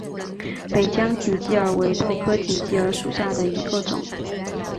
北疆锦鸡儿为豆科锦鸡儿属下的一个种。